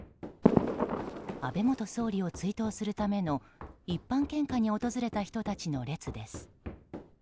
安倍元総理を追悼するための一般献花に訪れた人たちの列です。